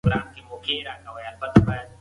اورېدنه د تفاهم پیلوي.